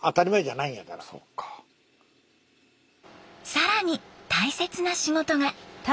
更に大切な仕事が。